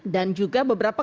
dan juga beberapa